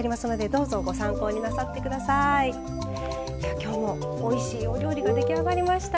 今日もおいしいお料理が出来上がりました。